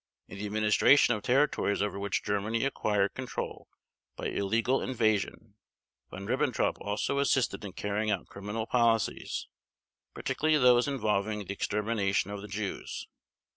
In the administration of territories over which Germany acquired control by illegal invasion Von Ribbentrop also assisted in carrying out criminal policies, particularly those involving the extermination of the Jews.